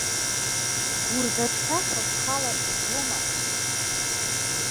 Гәырӷьаҿҳәаша схала изгома.